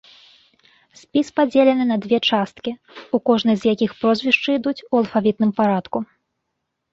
Спіс падзелены на две часткі, у кожнай з якіх прозвішчы ідуць у алфавітным парадку.